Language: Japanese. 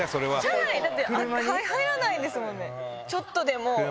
車内入らないですもんね。